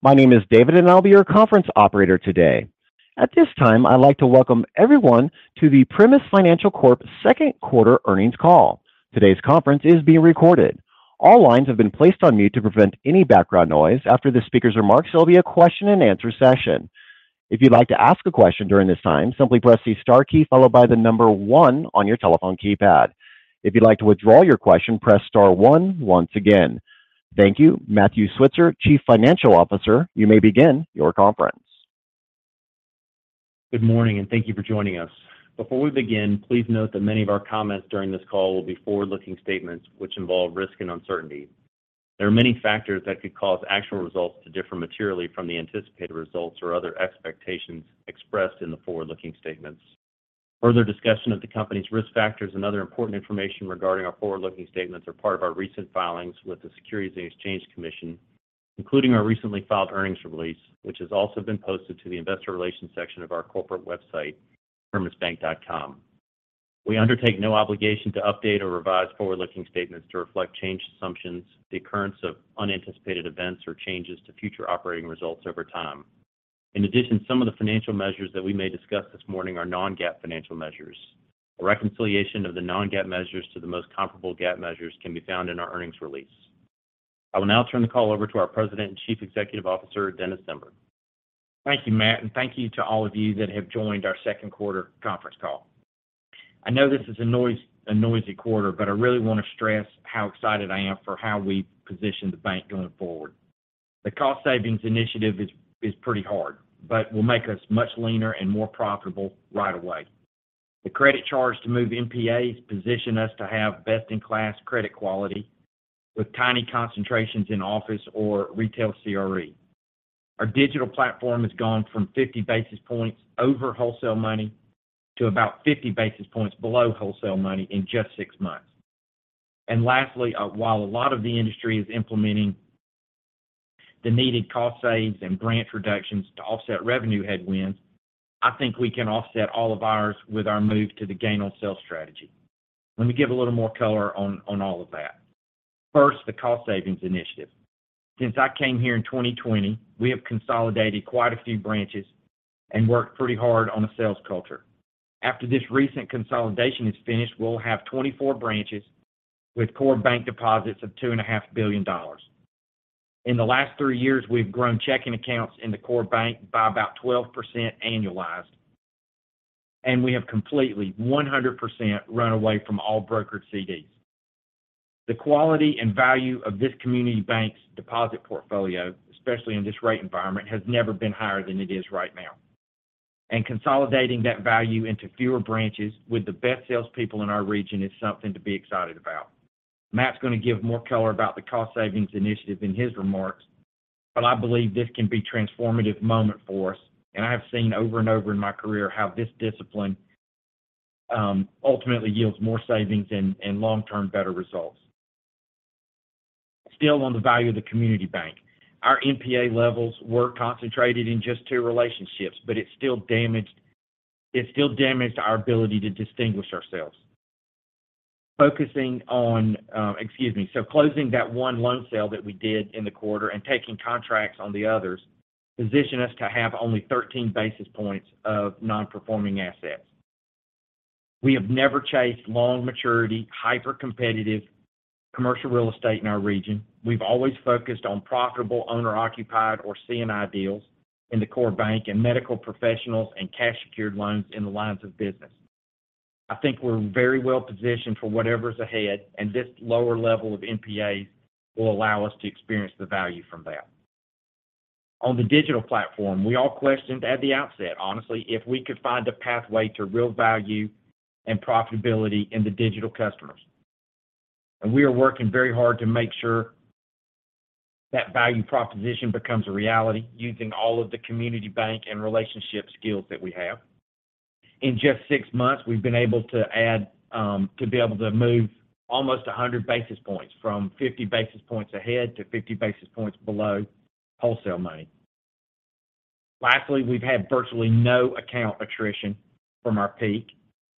My name is David, and I'll be your conference operator today. At this time, I'd like to welcome everyone to the Primis Financial Corp second quarter earnings call. Today's conference is being recorded. All lines have been placed on mute to prevent any background noise. After the speaker's remarks, there'll be a question and answer session. If you'd like to ask a question during this time, simply press the star key followed by the number one on your telephone keypad. If you'd like to withdraw your question, press star one once again. Thank you. Matthew Switzer, Chief Financial Officer, you may begin your conference. Good morning, thank you for joining us. Before we begin, please note that many of our comments during this call will be forward-looking statements, which involve risk and uncertainty. There are many factors that could cause actual results to differ materially from the anticipated results or other expectations expressed in the forward-looking statements. Further discussion of the company's risk factors and other important information regarding our forward-looking statements are part of our recent filings with the Securities and Exchange Commission, including our recently filed earnings release, which has also been posted to the Investor Relations section of our corporate website, primisbank.com. We undertake no obligation to update or revise forward-looking statements to reflect changed assumptions, the occurrence of unanticipated events, or changes to future operating results over time. In addition, some of the financial measures that we may discuss this morning are non-GAAP financial measures. A reconciliation of the non-GAAP measures to the most comparable GAAP measures can be found in our earnings release. I will now turn the call over to our President and Chief Executive Officer, Dennis Zember. Thank you, Matt. Thank you to all of you that have joined our second quarter conference call. I know this is a noisy quarter, but I really want to stress how excited I am for how we position the bank going forward. The cost savings initiative is, is pretty hard, but will make us much leaner and more profitable right away. The credit charge to move NPAs position us to have best-in-class credit quality with tiny concentrations in office or retail CRE. Our digital platform has gone from 50 basis points over wholesale money to about 50 basis points below wholesale money in just six months. Lastly, while a lot of the industry is implementing the needed cost saves and branch reductions to offset revenue headwinds, I think we can offset all of ours with our move to the gain on sale strategy. Let me give a little more color on, on all of that. First, the cost savings initiative. Since I came here in 2020, we have consolidated quite a few branches and worked pretty hard on a sales culture. After this recent consolidation is finished, we'll have 24 branches with core bank deposits of $2.5 billion. In the last three years, we've grown checking accounts in the core bank by about 12% annualized, we have completely, 100%, run away from all brokered CDs. The quality and value of this community bank's deposit portfolio, especially in this rate environment, has never been higher than it is right now. Consolidating that value into fewer branches with the best salespeople in our region is something to be excited about. Matt's going to give more color about the cost savings initiative in his remarks, I believe this can be a transformative moment for us, I have seen over and over in my career how this discipline ultimately yields more savings and, and long-term better results. Still on the value of the community bank, our NPA levels were concentrated in just two relationships, it still damaged our ability to distinguish ourselves. Focusing on, excuse me, closing that one loan sale that we did in the quarter and taking contracts on the others, position us to have only 13 basis points of non-performing assets. We have never chased long maturity, hypercompetitive commercial real estate in our region. We've always focused on profitable, owner-occupied, or C&I deals in the core bank and medical professionals and cash-secured loans in the lines of business. I think we're very well positioned for whatever's ahead, and this lower level of NPAs will allow us to experience the value from that. On the digital platform, we all questioned at the outset, honestly, if we could find a pathway to real value and profitability in the digital customers. We are working very hard to make sure that value proposition becomes a reality using all of the community bank and relationship skills that we have. In just six months, we've been able to add, to be able to move almost 100 basis points from 50 basis points ahead to 50 basis points below wholesale money. Lastly, we've had virtually no account attrition from our peak,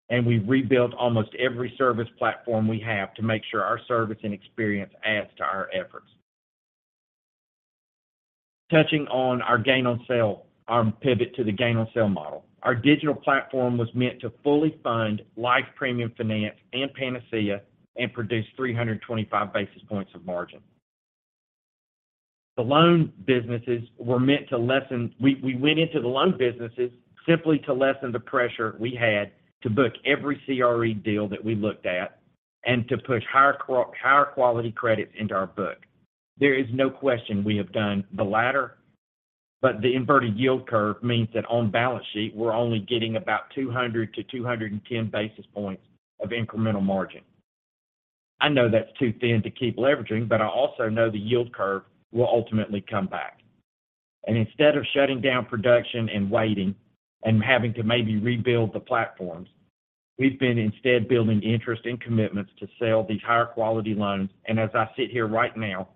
and we've rebuilt almost every service platform we have to make sure our service and experience adds to our efforts. Touching on our gain on sale, our pivot to the gain on sale model, our digital platform was meant to fully fund Life Premium Finance and Panacea and produce 325 basis points of margin. The loan businesses were meant to lessen. We went into the loan businesses simply to lessen the pressure we had to book every CRE deal that we looked at and to push higher quality credit into our book. There is no question we have done the latter, but the inverted yield curve means that on balance sheet, we're only getting about 200-210 basis points of incremental margin. I know that's too thin to keep leveraging, but I also know the yield curve will ultimately come back. Instead of shutting down production and waiting and having to maybe rebuild the platforms, we've been instead building interest and commitments to sell these higher quality loans. As I sit here right now,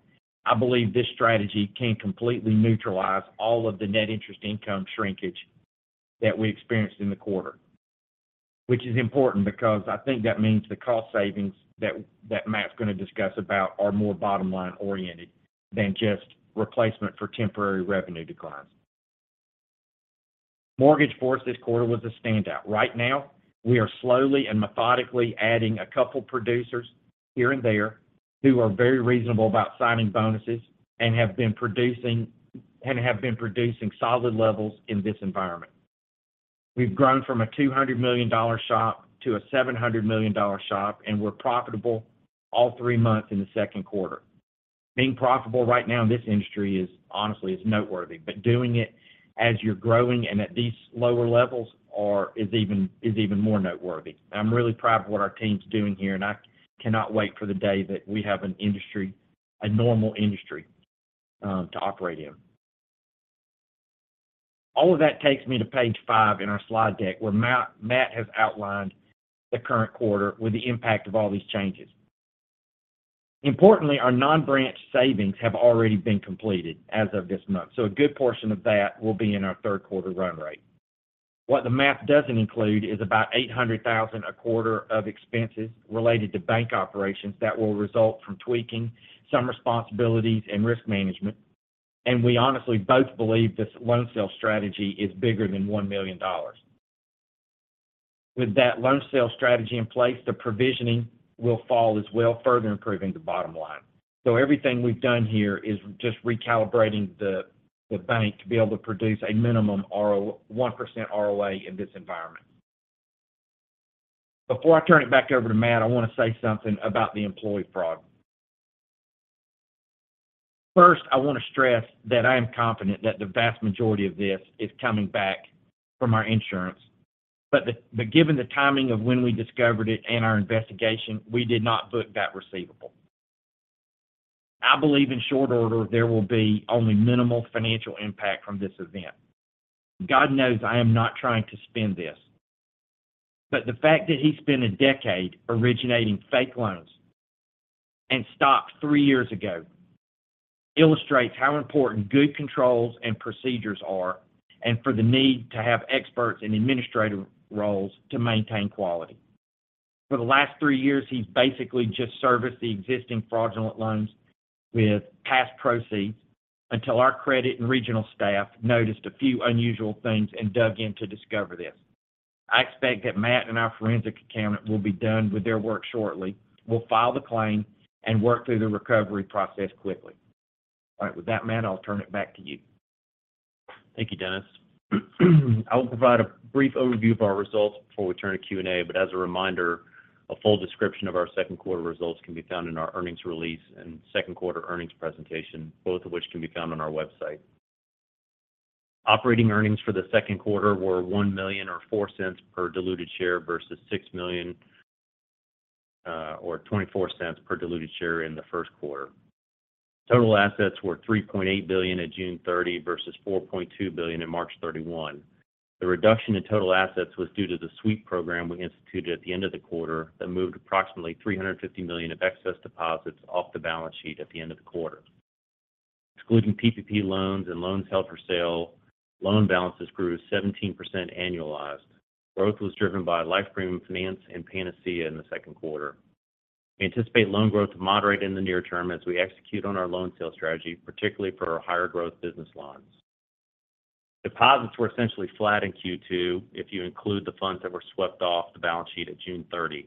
I believe this strategy can completely neutralize all of the net interest income shrinkage that we experienced in the quarter, which is important because I think that means the cost savings that, that Matt's going to discuss about are more bottom line oriented than just replacement for temporary revenue declines. Primis Mortgage this quarter was a standout. Right now, we are slowly and methodically adding a couple producers here and there who are very reasonable about signing bonuses and have been producing, and have been producing solid levels in this environment. We've grown from a $200 million shop to a $700 million shop. We're profitable all three months in the second quarter. Being profitable right now in this industry is honestly noteworthy, doing it as you're growing and at these lower levels is even more noteworthy. I'm really proud of what our team's doing here. I cannot wait for the day that we have an industry, a normal industry, to operate in. All of that takes me to page five in our slide deck, where Matt has outlined the current quarter with the impact of all these changes. Importantly, our non-branch savings have already been completed as of this month. A good portion of that will be in our third quarter run rate. What the math doesn't include is about $800,000 a quarter of expenses related to bank operations that will result from tweaking some responsibilities and risk management. We honestly both believe this loan sale strategy is bigger than $1 million. With that loan sale strategy in place, the provisioning will fall as well, further improving the bottom line. Everything we've done here is just recalibrating the bank to be able to produce a minimum 1% ROA in this environment. Before I turn it back over to Matt, I want to say something about the employee fraud. First, I want to stress that I am confident that the vast majority of this is coming back from our insurance. The, given the timing of when we discovered it and our investigation, we did not book that receivable. I believe in short order, there will be only minimal financial impact from this event. God knows I am not trying to spin this, but the fact that he spent a decade originating fake loans and stopped three years ago, illustrates how important good controls and procedures are, and for the need to have experts in administrative roles to maintain quality. For the last three years, he's basically just serviced the existing fraudulent loans with past proceeds until our credit and regional staff noticed a few unusual things and dug in to discover this. I expect that Matt and our forensic accountant will be done with their work shortly. We'll file the claim and work through the recovery process quickly. All right, with that, Matt, I'll turn it back to you. Thank you, Dennis. I will provide a brief overview of our results before we turn to Q&A. As a reminder, a full description of our second quarter results can be found in our earnings release and second quarter earnings presentation, both of which can be found on our website. Operating earnings for the second quarter were $1 million or $0.04 per diluted share versus $6 million or $0.24 per diluted share in the first quarter. Total assets were $3.8 billion at June 30 versus $4.2 billion in March 31. The reduction in total assets was due to the sweep program we instituted at the end of the quarter that moved approximately $350 million of excess deposits off the balance sheet at the end of the quarter. Excluding PPP loans and loans held for sale, loan balances grew 17% annualized. Growth was driven by Life Premium Finance and Panacea in the second quarter. We anticipate loan growth to moderate in the near term as we execute on our loan sale strategy, particularly for our higher growth business loans. Deposits were essentially flat in Q2, if you include the funds that were swept off the balance sheet at June 30.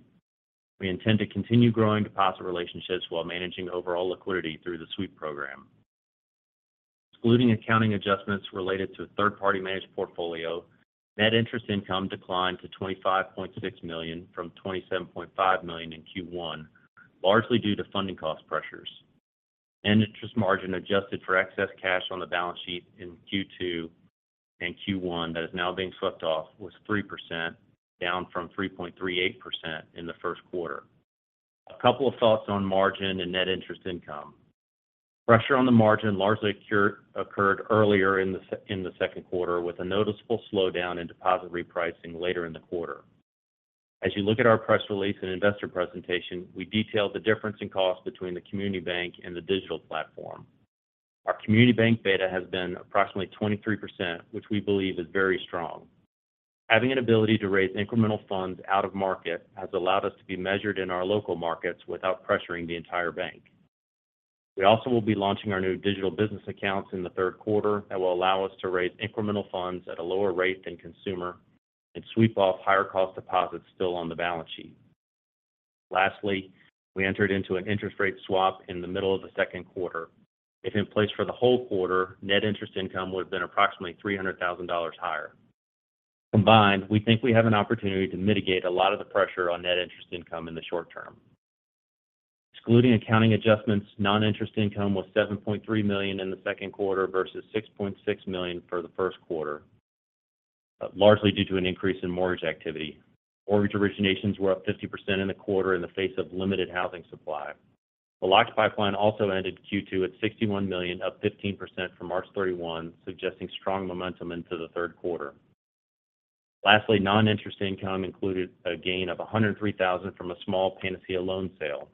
We intend to continue growing deposit relationships while managing overall liquidity through the sweep program. Excluding accounting adjustments related to a third-party managed portfolio, net interest income declined to $25.6 million from $27.5 million in Q1, largely due to funding cost pressures. Interest margin adjusted for excess cash on the balance sheet in Q2 and Q1 that is now being swept off, was 3%, down from 3.38% in the first quarter. A couple of thoughts on margin and net interest income. Pressure on the margin largely occurred earlier in the second quarter, with a noticeable slowdown in deposit repricing later in the quarter. As you look at our press release and investor presentation, we detailed the difference in cost between the community bank and the digital platform. Our community bank beta has been approximately 23%, which we believe is very strong. Having an ability to raise incremental funds out of market has allowed us to be measured in our local markets without pressuring the entire bank. We also will be launching our new digital business accounts in the third quarter that will allow us to raise incremental funds at a lower rate than consumer and sweep off higher cost deposits still on the balance sheet. Lastly, we entered into an interest rate swap in the middle of the second quarter. If in place for the whole quarter, net interest income would have been approximately $300,000 higher. Combined, we think we have an opportunity to mitigate a lot of the pressure on net interest income in the short term. Excluding accounting adjustments, non-interest income was $7.3 million in the second quarter versus $6.6 million for the first quarter, largely due to an increase in mortgage activity. Mortgage originations were up 50% in the quarter in the face of limited housing supply. The locked pipeline also ended Q2 at $61 million, up 15% from March 31, suggesting strong momentum into the third quarter. Lastly, non-interest income included a gain of $103,000 from a small Panacea loan sale.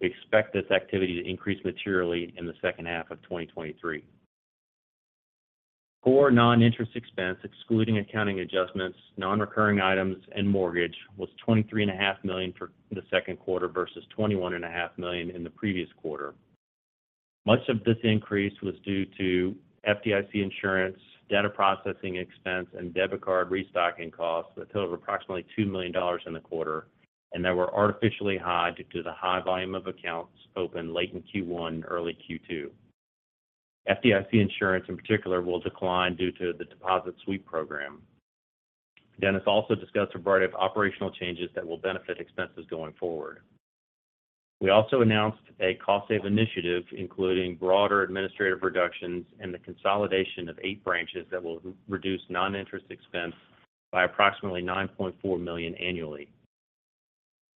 We expect this activity to increase materially in the second half of 2023. Core non-interest expense, excluding accounting adjustments, non-recurring items, and mortgage, was $23.5 million for the second quarter versus $21.5 million in the previous quarter. Much of this increase was due to FDIC insurance, data processing expense, and debit card restocking costs that totaled approximately $2 million in the quarter, and that were artificially high due to the high volume of accounts opened late in Q1, early Q2. FDIC insurance, in particular, will decline due to the deposit sweep program. Dennis also discussed a variety of operational changes that will benefit expenses going forward. We also announced a cost-save initiative, including broader administrative reductions and the consolidation of eight branches that will reduce non-interest expense by approximately $9.4 million annually.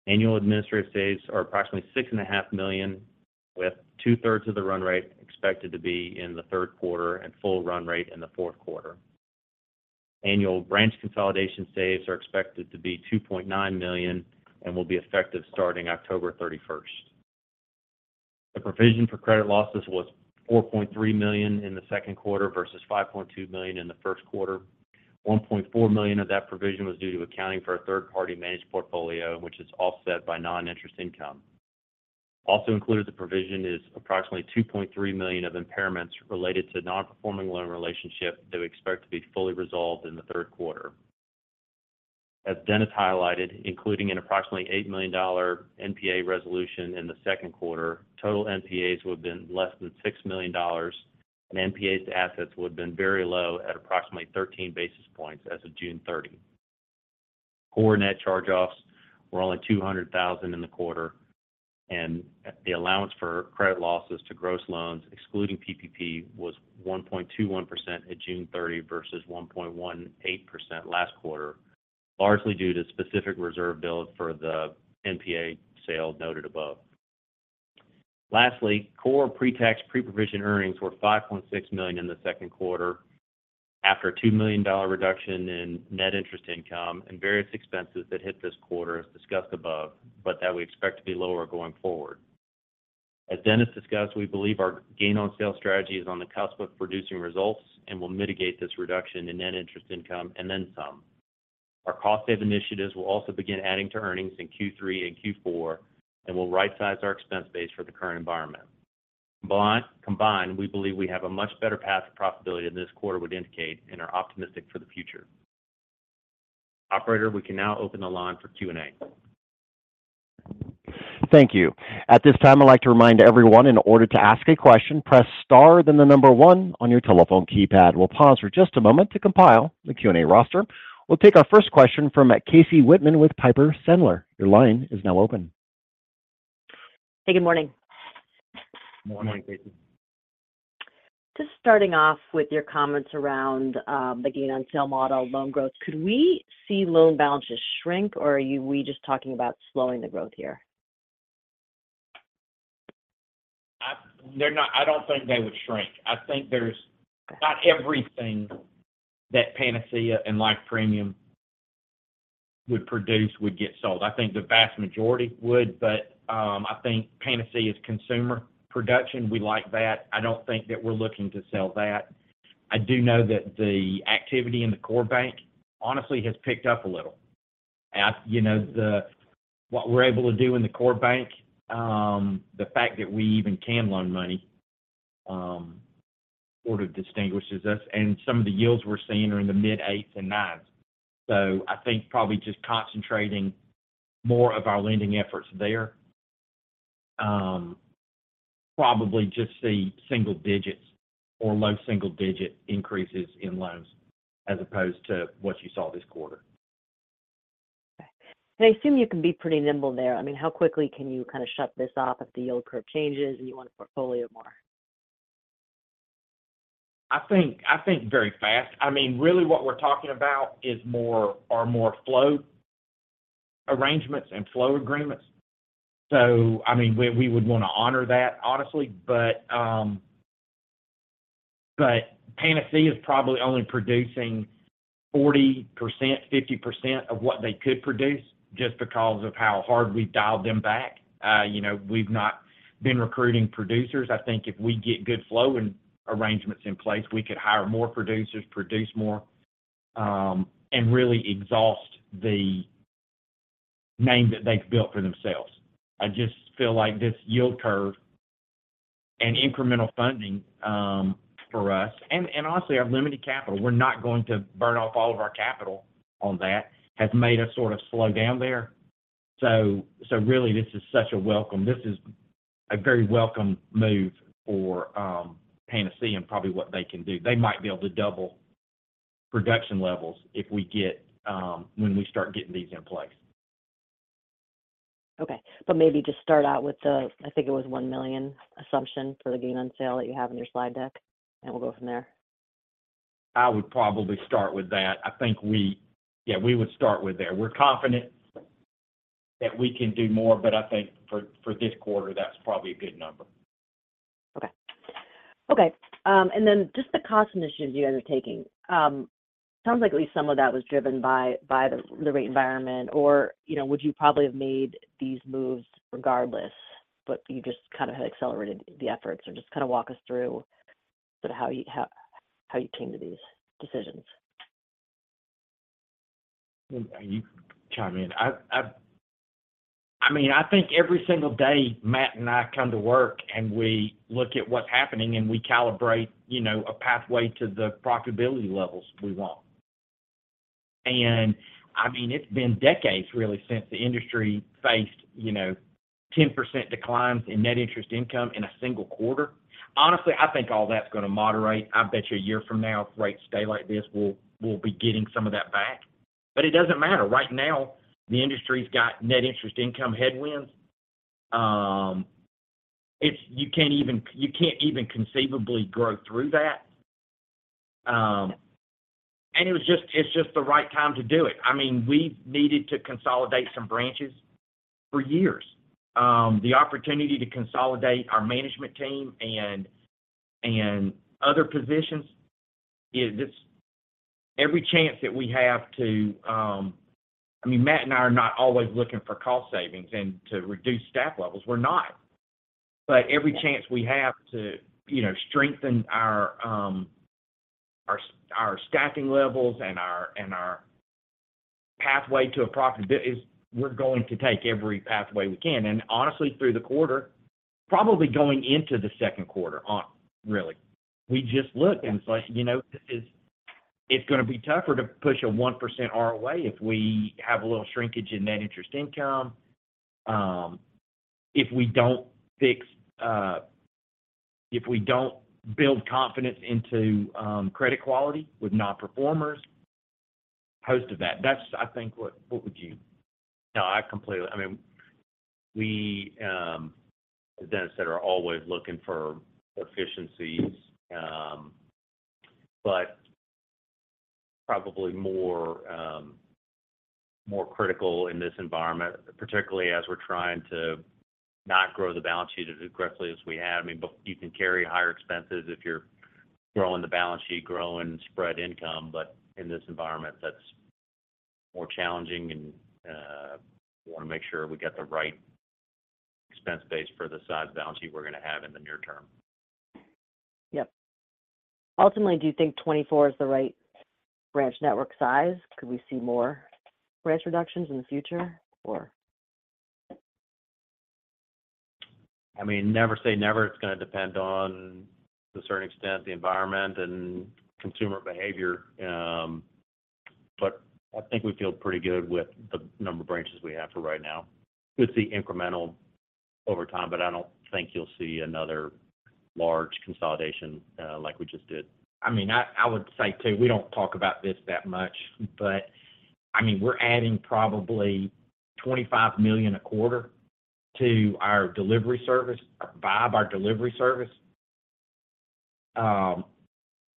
Annual administrative saves are approximately $6.5 million, with 2/3 of the run rate expected to be in the third quarter and full run rate in the fourth quarter. Annual branch consolidation saves are expected to be $2.9 million and will be effective starting October 31st. The provision for credit losses was $4.3 million in the second quarter versus $5.2 million in the first quarter. $1.4 million of that provision was due to accounting for a third-party managed portfolio, which is offset by non-interest income. Also included in the provision is approximately $2.3 million of impairments related to non-performing loan relationship that we expect to be fully resolved in the third quarter. As Dennis highlighted, including an approximately $8 million NPA resolution in the second quarter, total NPAs would have been less than $6 million, and NPAs to assets would have been very low at approximately 13 basis points as of June 30. Core net charge-offs were only $200,000 in the quarter, and the allowance for credit losses to gross loans, excluding PPP, was 1.21% at June 30 versus 1.18% last quarter, largely due to specific reserve build for the NPA sale noted above. Lastly, core pre-tax, pre-provision earnings were $5.6 million in the second quarter, after a $2 million reduction in net interest income and various expenses that hit this quarter, as discussed above, but that we expect to be lower going forward. As Dennis discussed, we believe our gain-on-sale strategy is on the cusp of producing results and will mitigate this reduction in net interest income and then some. Our cost save initiatives will also begin adding to earnings in Q3 and Q4, and we'll rightsize our expense base for the current environment. Combined, we believe we have a much better path to profitability than this quarter would indicate and are optimistic for the future. Operator, we can now open the line for Q&A. Thank you. At this time, I'd like to remind everyone, in order to ask a question, press star, then one on your telephone keypad. We'll pause for just a moment to compile the Q&A roster. We'll take our first question from Casey Whitman with Piper Sandler. Your line is now open. Hey, good morning. Good morning, Casey. Just starting off with your comments around the gain on sale model, loan growth, could we see loan balances shrink, or are we just talking about slowing the growth here? I don't think they would shrink. I think there's not everything that Panacea and Life Premium would produce would get sold. I think the vast majority would, but I think Panacea is consumer production. We like that. I don't think that we're looking to sell that. I do know that the activity in the core bank honestly has picked up a little. As you know, the, what we're able to do in the core bank, the fact that we even can loan money, sort of distinguishes us, and some of the yields we're seeing are in the mid-eights and nines. I think probably just concentrating more of our lending efforts there, probably just see single digits or low single-digit increases in loans as opposed to what you saw this quarter. Okay. I assume you can be pretty nimble there. I mean, how quickly can you kind of shut this off if the yield curve changes and you want to portfolio more? I think, I think very fast. I mean, really what we're talking about is more, are more flow arrangements and flow agreements. I mean, we, we would want to honor that, honestly. Panacea is probably only producing 40%, 50% of what they could produce just because of how hard we've dialed them back. you know, we've not been recruiting producers. I think if we get good flow and arrangements in place, we could hire more producers, produce more, and really exhaust the name that they've built for themselves. I just feel like this yield curve and incremental funding, for us, and, and honestly, our limited capital, we're not going to burn off all of our capital on that, has made us sort of slow down there. really, this is such a welcome... This is a very welcome move for, Panacea and probably what they can do. They might be able to double production levels if we get, when we start getting these in place. Okay. Maybe just start out with the, I think it was $1 million assumption for the gain on sale that you have in your slide deck, and we'll go from there. I would probably start with that. I think we... Yeah, we would start with there. We're confident that we can do more, but I think for, for this quarter, that's probably a good number. Okay. Okay, then just the cost initiatives you guys are taking... Sounds like at least some of that was driven by, by the, the rate environment, or, you know, would you probably have made these moves regardless, but you just kind of had accelerated the efforts? Just kind of walk us through sort of how you, how, how you came to these decisions? You chime in. I've, I've I mean, I think every single day, Matt and I come to work, and we look at what's happening, and we calibrate, you know, a pathway to the profitability levels we want. I mean, it's been decades, really, since the industry faced, you know, 10% declines in net interest income in a single quarter. Honestly, I think all that's going to moderate. I bet you a year from now, if rates stay like this, we'll, we'll be getting some of that back. It doesn't matter. Right now, the industry's got net interest income headwinds. It's, you can't even, you can't even conceivably grow through that. It was just, it's just the right time to do it. I mean, we've needed to consolidate some branches for years. The opportunity to consolidate our management team and, and other positions is just every chance that we have to. I mean, Matt and I are not always looking for cost savings and to reduce staff levels. We're not. Every chance we have to, you know, strengthen our staffing levels and our, and our pathway to a profitability is we're going to take every pathway we can. Honestly, through the quarter, probably going into the second quarter on, really. We just looked, and it's like, you know, it's, it's going to be tougher to push a 1% ROA if we have a little shrinkage in net interest income, if we don't fix, if we don't build confidence into credit quality with non-performers post to that. That's, I think, what, what would you- No, I completely... I mean, we, as Dennis said, are always looking for efficiencies, but probably more, more critical in this environment, particularly as we're trying to not grow the balance sheet as aggressively as we have. I mean, but you can carry higher expenses if you're growing the balance sheet, growing spread income, but in this environment, that's more challenging and we want to make sure we get the right expense base for the size balance sheet we're going to have in the near term. Yep. Ultimately, do you think 24 is the right branch network size? Could we see more branch reductions in the future, or? I mean, never say never. It's going to depend on the certain extent, the environment and consumer behavior. I think we feel pretty good with the number of branches we have for right now. Could see incremental over time, but I don't think you'll see another large consolidation, like we just did. I mean, I, I would say, too, we don't talk about this that much, but I mean, we're adding probably $25 million a quarter to our delivery service, V1BE, our delivery service.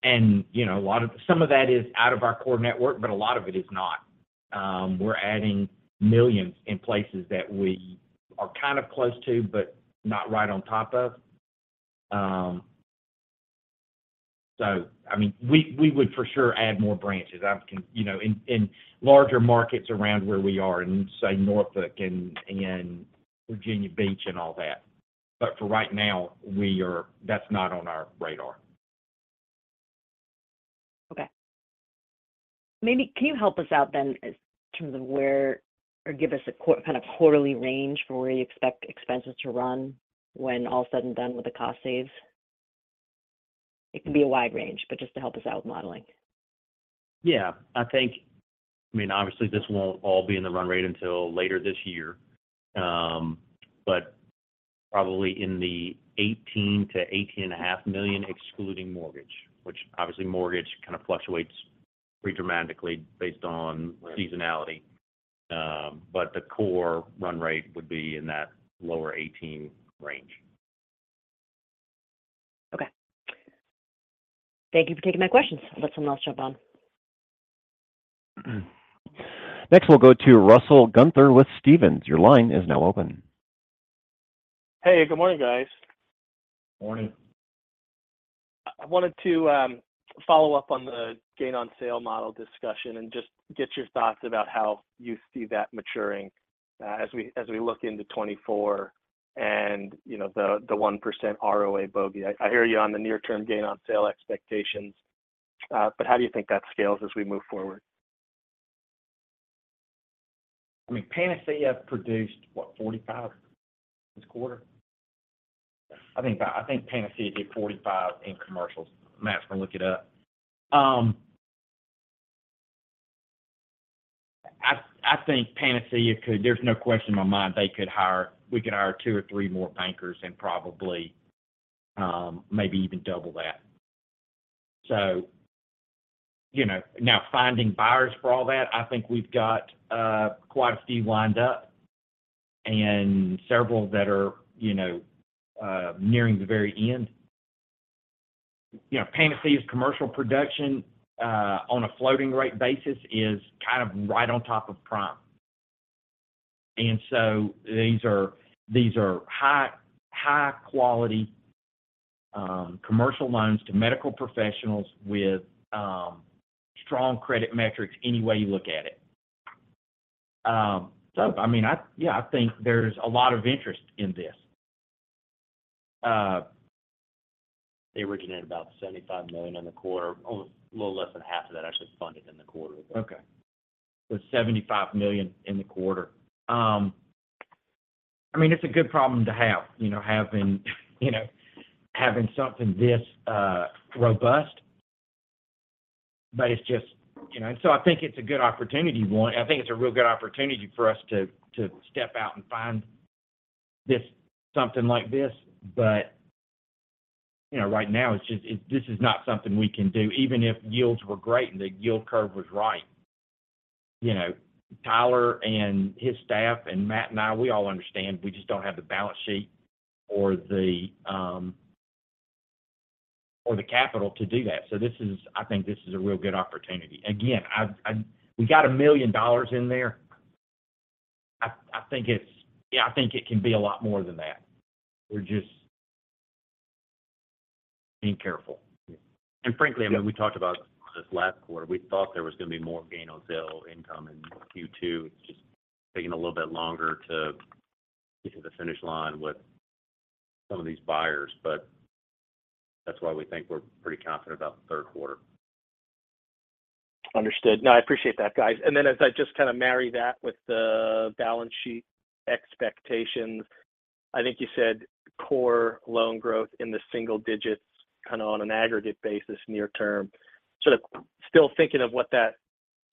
You know, some of that is out of our core network, but a lot of it is not. We're adding millions in places that we are kind of close to, but not right on top of. I mean, we, we would for sure add more branches. You know, in, in larger markets around where we are in, say, Norfolk and, and Virginia Beach and all that. For right now, we are. That's not on our radar. Okay. Maybe can you help us out then in terms of where, or give us a kind of quarterly range for where you expect expenses to run when all said and done with the cost saves? It can be a wide range, but just to help us out with modeling. Yeah. I think, I mean, obviously, this won't all be in the run rate until later this year, but probably in the $18 million-$18.5 million, excluding mortgage, which obviously mortgage kind of fluctuates pretty dramatically based on- Right... seasonality. The core run rate would be in that lower 18 range. Okay. Thank you for taking my questions. Let someone else jump on. Next, we'll go to Russell Gunther with Stephens. Your line is now open. Hey, good morning, guys. Morning. I wanted to follow up on the gain on sale model discussion and just get your thoughts about how you see that maturing, as we, as we look into 2024 and, you know, the, the 1% ROA bogey. I, I hear you on the near term gain on sale expectations, but how do you think that scales as we move forward? I mean, Panacea produced, what, $45 this quarter? I think, I think Panacea did $45 in commercials. Matt's going to look it up. I think Panacea could, there's no question in my mind, they could hire, we could hire two or three more bankers and probably, maybe even double that. You know, now, finding buyers for all that, I think we've got quite a few lined up and several that are, you know, nearing the very end. You know, Panacea's commercial production on a floating rate basis is kind of right on top of prime.... These are, these are high, high quality commercial loans to medical professionals with strong credit metrics any way you look at it. I mean, I think there's a lot of interest in this. They originated about $75 million in the quarter, almost a little less than half of that actually funded in the quarter. Okay. $75 million in the quarter. I mean, it's a good problem to have, you know, having, you know, having something this robust. It's just, you know, I think it's a good opportunity. One, I think it's a real good opportunity for us to, to step out and find this, something like this. You know, right now, it's just, it's, this is not something we can do, even if yields were great and the yield curve was right. You know, Tyler and his staff, and Matt and I, we all understand, we just don't have the balance sheet or the capital to do that. This is, I think this is a real good opportunity. Again, I've, we got $1 million in there. I, I think it's, yeah, I think it can be a lot more than that. We're just being careful. Frankly, I mean, we talked about this last quarter. We thought there was going to be more gain on sale income in Q2. It's just taking a little bit longer to get to the finish line with some of these buyers, but that's why we think we're pretty confident about the third quarter. Understood. No, I appreciate that, guys. As I just kind of marry that with the balance sheet expectations, I think you said core loan growth in the single digits, kind of on an aggregate basis near term. Sort of still thinking of what that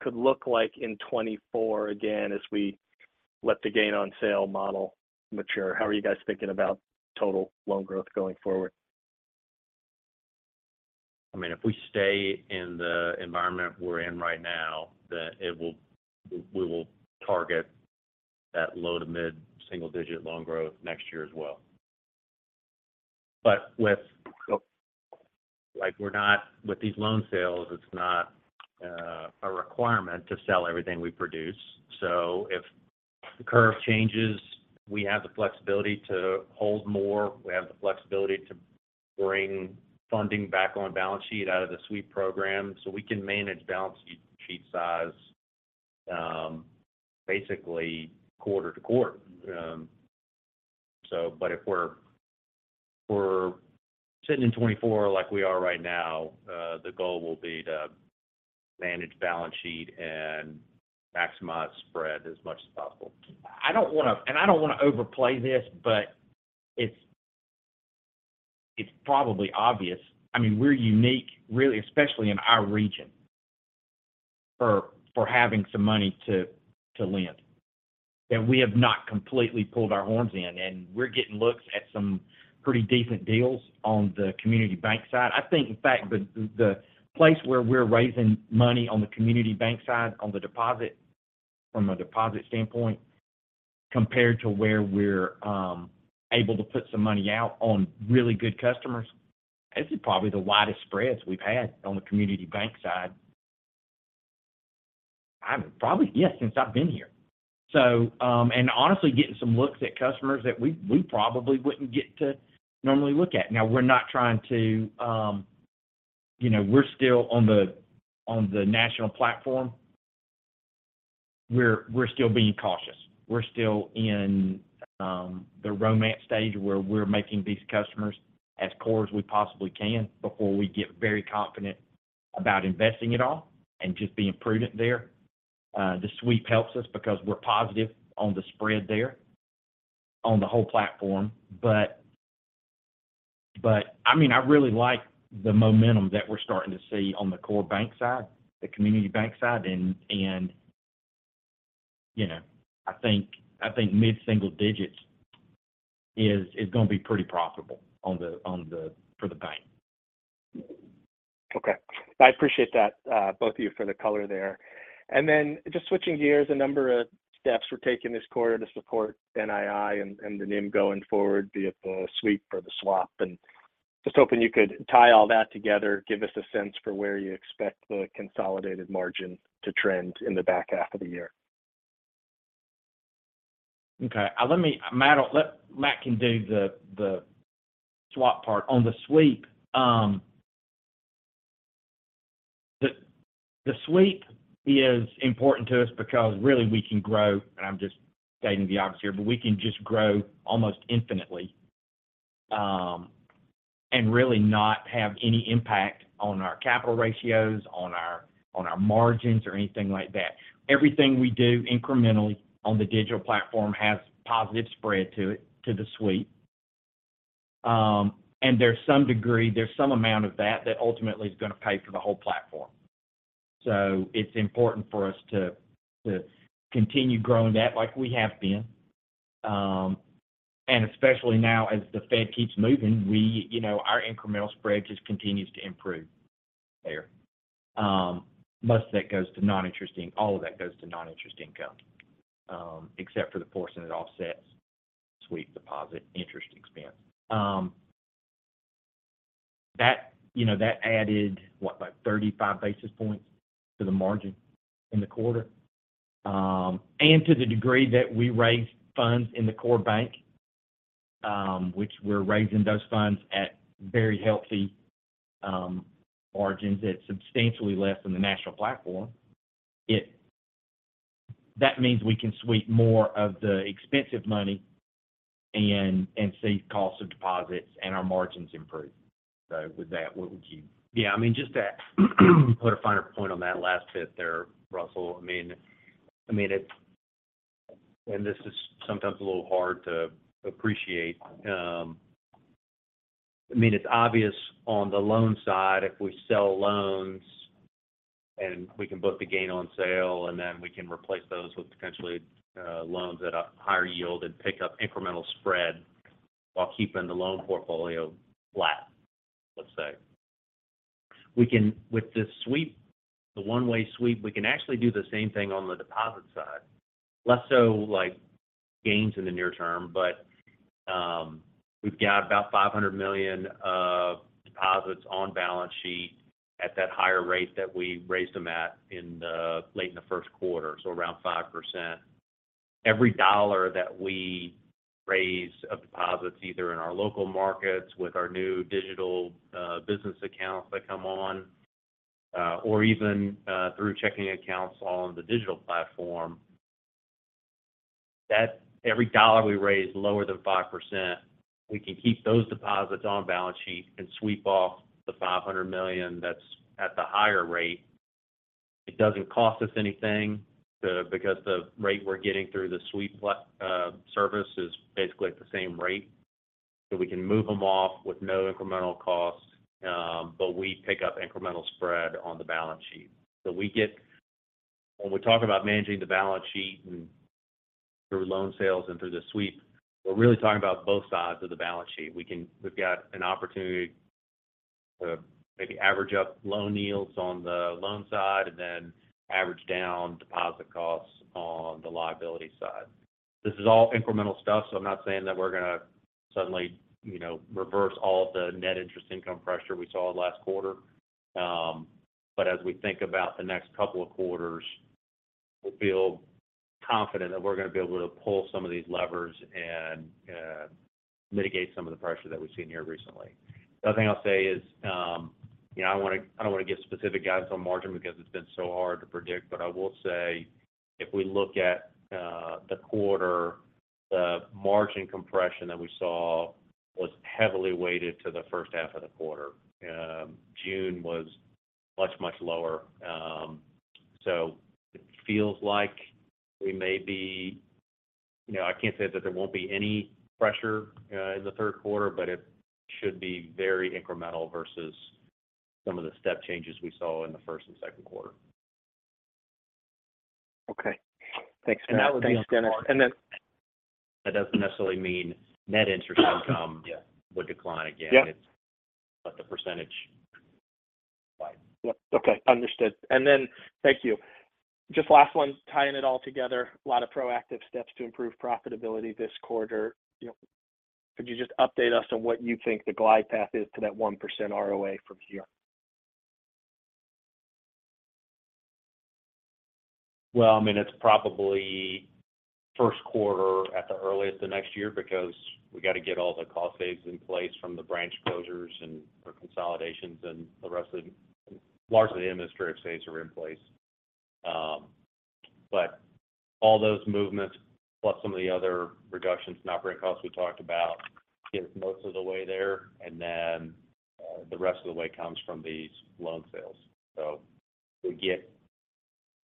could look like in 2024 again, as we let the gain on sale model mature. How are you guys thinking about total loan growth going forward? I mean, if we stay in the environment we're in right now, then we, we will target that low to mid single-digit loan growth next year as well. With, like, with these loan sales, it's not a requirement to sell everything we produce. If the curve changes, we have the flexibility to hold more. We have the flexibility to bring funding back on balance sheet out of the sweep program, so we can manage balance sheet size, basically quarter to quarter. But if we're, we're sitting in 2024 like we are right now, the goal will be to manage balance sheet and maximize spread as much as possible. I don't want to overplay this, but it's, it's probably obvious. I mean, we're unique, really, especially in our region, for, for having some money to, to lend, that we have not completely pulled our horns in. We're getting looks at some pretty decent deals on the community bank side. I think, in fact, the, the, the place where we're raising money on the community bank side, on the deposit, from a deposit standpoint, compared to where we're able to put some money out on really good customers, this is probably the widest spreads we've had on the community bank side. I'm probably, yes, since I've been here. Honestly, getting some looks at customers that we, we probably wouldn't get to normally look at. Now, we're not trying to, you know, we're still on the, on the national platform. We're, we're still being cautious. We're still in the romance stage, where we're making these customers as core as we possibly can before we get very confident about investing at all and just being prudent there. The sweep helps us because we're positive on the spread there on the whole platform. I mean, I really like the momentum that we're starting to see on the core bank side, the community bank side. You know, I think, I think mid-single digits is, is going to be pretty profitable on the, on the, for the bank. Okay. I appreciate that, both of you for the color there. Just switching gears, a number of steps we're taking this quarter to support NII and, and the NIM going forward, be it the sweep or the swap. Just hoping you could tie all that together, give us a sense for where you expect the consolidated margin to trend in the back half of the year? Okay, Matt, let Matt can do the swap part. On the sweep, the sweep is important to us because really we can grow, and I'm just stating the obvious here, but we can just grow almost infinitely, and really not have any impact on our capital ratios, on our margins, or anything like that. Everything we do incrementally on the digital platform has positive spread to it, to the sweep. There's some degree, there's some amount of that, that ultimately is going to pay for the whole platform. It's important for us to continue growing that like we have been. Especially now as the Fed keeps moving, you know, our incremental spread just continues to improve there. Most of that goes to non-interest income. All of that goes to non-interest income, except for the portion that offsets sweep deposit interest expense. That, you know, that added what? Like 35 basis points to the margin in the quarter. To the degree that we raised funds in the core bank, which we're raising those funds at very healthy, margins at substantially less than the national platform. That means we can sweep more of the expensive money and, and see cost of deposits and our margins improve. With that, what would you- Yeah, I mean, just to put a finer point on that last bit there, Russell. I mean, I mean, this is sometimes a little hard to appreciate. I mean, it's obvious on the loan side, if we sell loans, and we can book the gain on sale, and then we can replace those with potentially loans at a higher yield and pick up incremental spread while keeping the loan portfolio flat, let's say. We can, with the sweep, the one-way sweep, we can actually do the same thing on the deposit side. Less so, like, gains in the near term, but we've got about $500 million of deposits on balance sheet at that higher rate that we raised them at in the late in the first quarter, so around 5%. Every dollar that we raise of deposits, either in our local markets with our new digital, business accounts that come on, or even through checking accounts on the digital platform, that every dollar we raise lower than 5%, we can keep those deposits on balance sheet and sweep off the $500 million that's at the higher rate. It doesn't cost us anything because the rate we're getting through the sweep platform service is basically the same rate. We can move them off with no incremental costs, but we pick up incremental spread on the balance sheet. When we talk about managing the balance sheet and through loan sales and through the sweep, we're really talking about both sides of the balance sheet. We've got an opportunity to maybe average up loan yields on the loan side and then average down deposit costs on the liability side. This is all incremental stuff, so I'm not saying that we're going to suddenly, you know, reverse all the net interest income pressure we saw last quarter. As we think about the next couple of quarters, we feel confident that we're going to be able to pull some of these levers and mitigate some of the pressure that we've seen here recently. The other thing I'll say is, you know, I don't want to give specific guidance on margin because it's been so hard to predict, but I will say if we look at the quarter, the margin compression that we saw was heavily weighted to the first half of the quarter. June was much, much lower, so it feels like we may be... You know, I can't say that there won't be any pressure in the third quarter, but it should be very incremental versus some of the step changes we saw in the first and second quarter. Okay. Thanks, Matt. Thanks, Dennis. That doesn't necessarily mean net interest income... Yeah. would decline again. Yeah. The percentage wide. Yep. Okay, understood. Thank you. Just last one, tying it all together, a lot of proactive steps to improve profitability this quarter, you know. Could you just update us on what you think the glide path is to that 1% ROA from here? Well, it's probably first quarter at the earliest the next year because we got to get all the cost saves in place from the branch closures and the consolidations and the rest of the-- largely the administrative saves are in place. All those movements, plus some of the other reductions in operating costs we talked about, get us most of the way there, and then the rest of the way comes from these loan sales. We get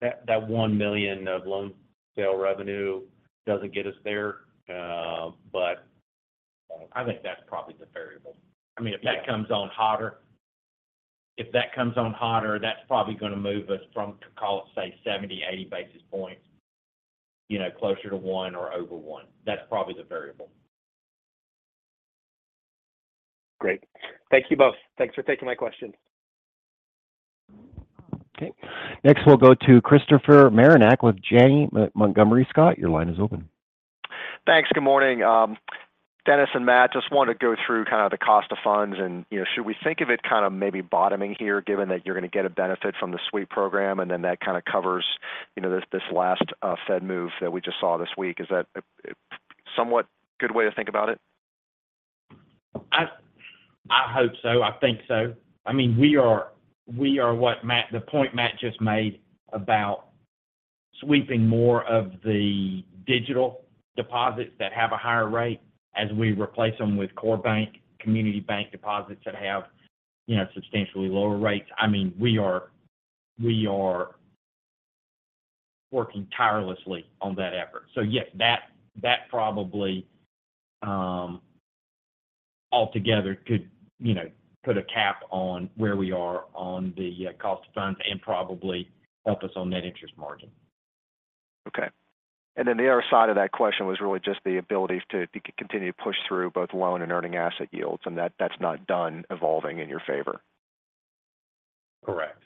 that, that $1 million of loan sale revenue doesn't get us there, but I think that's probably the variable. I mean, if that comes on hotter, if that comes on hotter, that's probably going to move us from, to call it, say, 70, 80 basis points, you know, closer to one or over one. That's probably the variable. Great. Thank you both. Thanks for taking my questions. Okay. Next, we'll go to Christopher Marinac with Janney Montgomery Scott. Your line is open. Thanks. Good morning, Dennis and Matt. Just wanted to go through kind of the cost of funds and, you know, should we think of it kind of maybe bottoming here, given that you're going to get a benefit from the sweep program, and then that kind of covers, you know, this, this last Fed move that we just saw this week? Is that a, a somewhat good way to think about it? I, I hope so. I think so. I mean, we are, we are what Matt, the point Matt just made about sweeping more of the digital deposits that have a higher rate as we replace them with core bank, community bank deposits that have, you know, substantially lower rates. I mean, we are, we are working tirelessly on that effort. Yes, that, that probably, altogether could, you know, put a cap on where we are on the cost of funds and probably help us on net interest margin. Okay. Then the other side of that question was really just the ability to, to continue to push through both loan and earning asset yields, and that, that's not done evolving in your favor. Correct.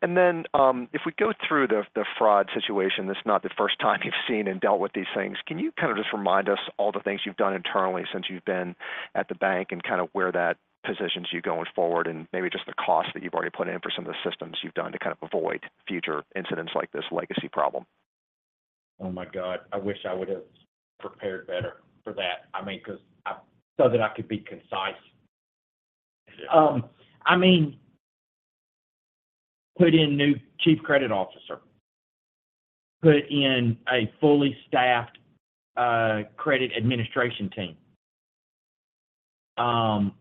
...Then, if we go through the, the fraud situation, that's not the first time you've seen and dealt with these things. Can you kind of just remind us all the things you've done internally since you've been at the bank and kind of where that positions you going forward, and maybe just the cost that you've already put in for some of the systems you've done to kind of avoid future incidents like this legacy problem? Oh, my God, I wish I would have prepared better for that. I mean, because so that I could be concise. I mean, put in new chief credit officer, put in a fully staffed credit administration team,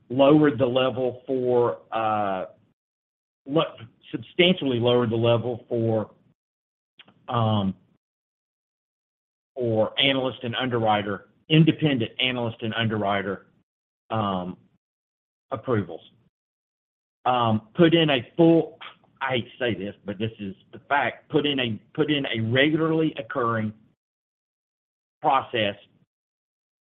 lowered the level for, substantially lowered the level for, for analyst and underwriter, independent analyst and underwriter approvals. I hate to say this, but this is the fact, put in a, put in a regularly occurring process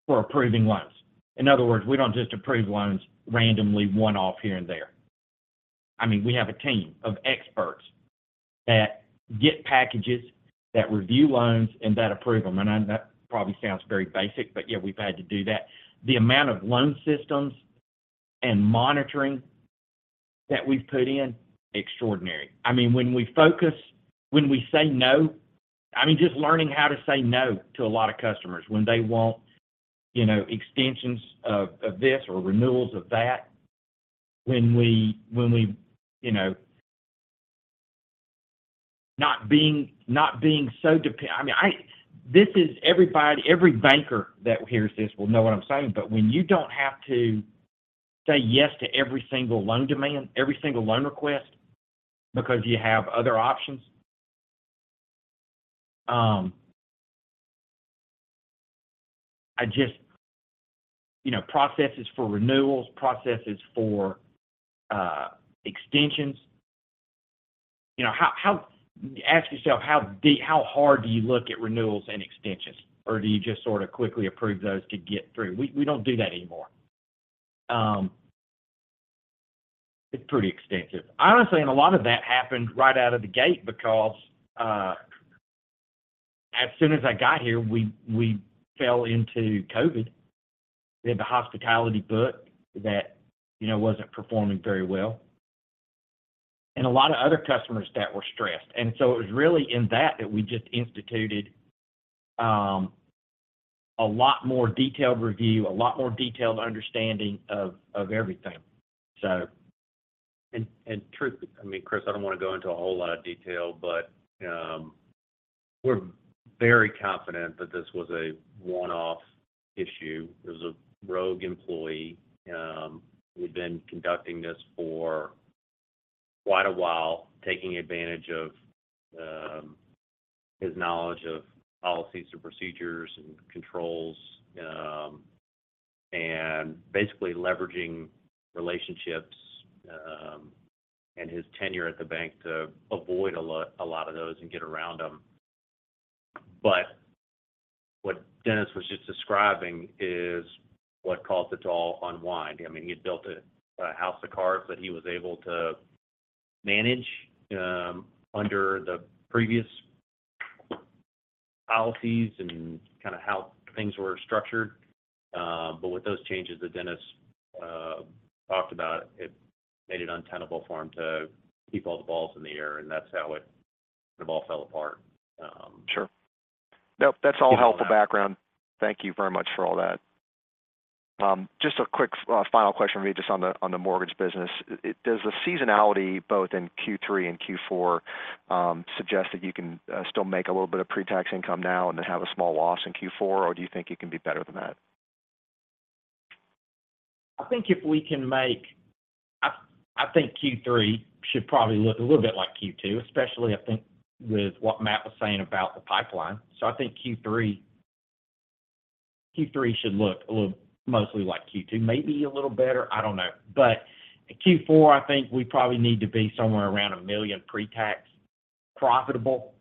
for approving loans. In other words, we don't just approve loans randomly, one-off here and there. I mean, we have a team of experts that get packages, that review loans, and that approve them. I know that probably sounds very basic, but yeah, we've had to do that. The amount of loan systems and monitoring that we've put in, extraordinary. I mean, when we focus, when we say no, I mean, just learning how to say no to a lot of customers when they want, you know, extensions of, of this or renewals of that, when we, when we not being, not being so this is everybody, every banker that hears this will know what I'm saying, but when you don't have to say yes to every single loan demand, every single loan request because you have other options, I just, you know, processes for renewals, processes for extensions. You know, how, how ask yourself, how hard do you look at renewals and extensions, or do you just sort of quickly approve those to get through? We, we don't do that anymore. It's pretty extensive. Honestly, a lot of that happened right out of the gate because, as soon as I got here, we, we fell into COVID. We had the hospitality book that, you know, wasn't performing very well, and a lot of other customers that were stressed. It was really in that, that we just instituted, a lot more detailed review, a lot more detailed understanding of, of everything. Truthfully, I mean, Chris, I don't want to go into a whole lot of detail, we're very confident that this was a one-off issue. It was a rogue employee, who'd been conducting this for quite a while, taking advantage of his knowledge of policies and procedures and controls, and basically leveraging relationships, and his tenure at the bank to avoid a lot of those and get around them. What Dennis was just describing is what caused it to all unwind. I mean, he had built a house of cards that he was able to manage under the previous policies and kind of how things were structured. But with those changes that Dennis talked about, it made it untenable for him to keep all the balls in the air, and that's how it all fell apart. Um- Sure. Nope, that's all helpful background. Thank you very much for all that. Just a quick final question for you just on the mortgage business. Does the seasonality, both in Q3 and Q4, suggest that you can still make a little bit of pre-tax income now and then have a small loss in Q4, or do you think it can be better than that? I think if we can make... I, I think Q3 should probably look a little bit like Q2, especially, I think, with what Matt was saying about the pipeline. I think Q3, Q3 should look a little mostly like Q2, maybe a little better, I don't know. Q4, I think we probably need to be somewhere around $1 million pre-tax profitable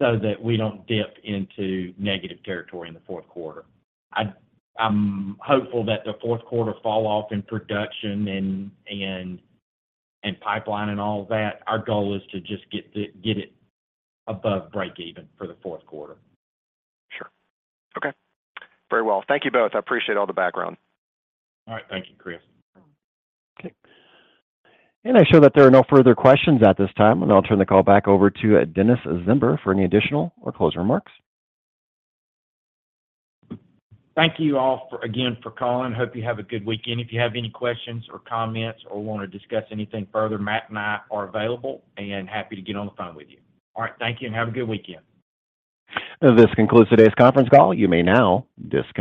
so that we don't dip into negative territory in the fourth quarter. I, I'm hopeful that the fourth quarter fall off in production and, and, and pipeline and all that, our goal is to just get the, get it above break even for the fourth quarter. Sure. Okay. Very well. Thank you both. I appreciate all the background. All right. Thank you, Chris. Okay. I show that there are no further questions at this time, and I'll turn the call back over to, Dennis Zember for any additional or close remarks. Thank you all for, again, for calling. Hope you have a good weekend. If you have any questions or comments or want to discuss anything further, Matt and I are available and happy to get on the phone with you. All right, thank you and have a good weekend. This concludes today's conference call. You may now disconnect.